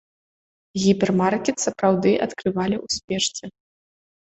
Гіпермаркет сапраўды адкрывалі ў спешцы.